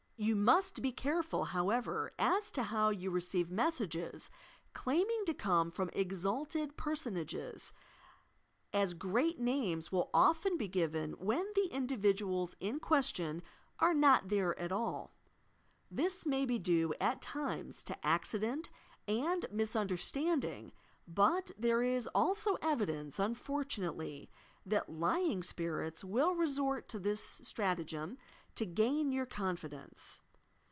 You must be careful, however, as to how you receive messages claiming to come from exalted personages, as great names will often be given when the indi%'iduals in question are not there at all. This may be due at times to accideut aad misunderstanding: but there is also evidence, unfortunately, that lying spirits will re sort to this stratagem to gain your confidence.